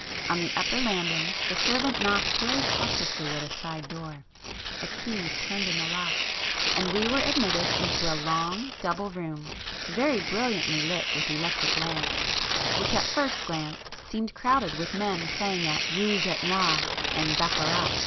On the upper landing, the servant knocked very cautiously at a side door,—a key turned in the lock, and we were admitted into a long double room, very brilliantly lit with electric lamps, which at a first glance seemed crowded with men playing at rouge et noir and baccarat.